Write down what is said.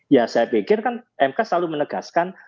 ya saya pikir kan mk selalu menegaskan